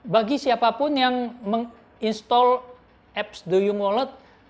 bagi siapapun yang menginstall apps duyung wallet